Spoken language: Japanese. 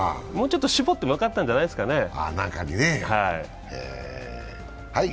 もうちょっと絞ってもよかったんじゃないですかね。